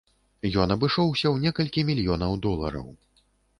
Ён абышоўся ў некалькі мільёнаў долараў.